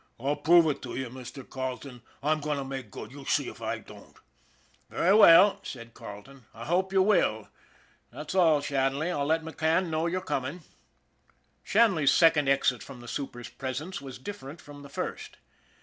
I'll prove it to you, Mr. Carleton. I'm going to make good. You see if I don't." " Very well," said Carleton. " I hope you will. That's all, Shanley. I'll let McCann know you're coming." Shanley's second exit from the super's presence was different from the first.